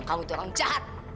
kamu itu orang jahat